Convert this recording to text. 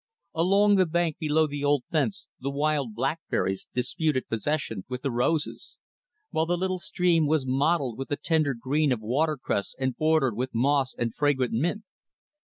Along the bank below the old fence, the wild blackberries disputed possession with the roses; while the little stream was mottled with the tender green of watercress and bordered with moss and fragrant mint.